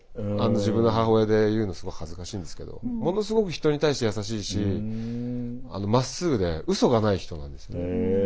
自分の母親で言うのすごい恥ずかしいんですけどものすごく人に対して優しいしまっすぐでうそがない人なんですよね。